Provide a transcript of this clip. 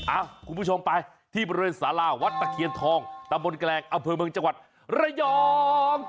คุณผู้ชมไปที่บริเวณสาราวัดตะเคียนทองตะบนแกลงอำเภอเมืองจังหวัดระยอง